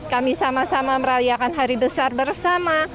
kami sama sama merayakan hari besar bersama